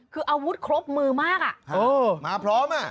คืออาวุธครบมือมากอ่ะเออมาพร้อมอ่ะ